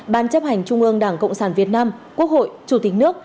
ban chấp hành trung ương đảng cộng sản việt nam quốc hội chủ tịch nước